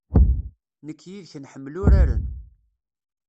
Nekk yid-k nḥemmel uraren.